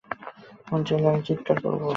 মন চাইলে আমি চিৎকার করব।